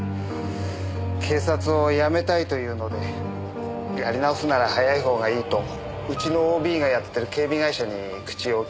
警察を辞めたいというのでやり直すなら早い方がいいとうちのＯＢがやってる警備会社に口を利いてやりました。